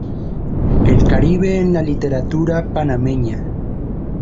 El Caribe en la literatura panameña.